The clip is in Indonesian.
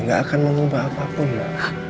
ga akan mengubah apapun ma